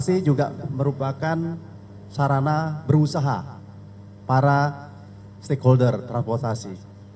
saya juga ingin memberikan sarana berusaha para stakeholder transvasasi